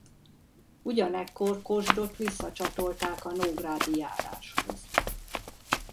Ugyanekkor Kosdot visszacsatolták a Nógrádi járáshoz.